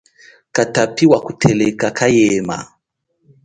Katapi wa kuteleka kayema.